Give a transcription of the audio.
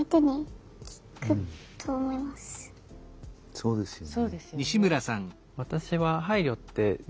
そうですよね。